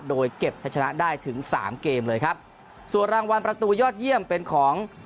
โดยเก็บให้ชนะได้ถึงสามเกมเลยครับส่วนรางวัลประตูยอดเยี่ยมเป็นของ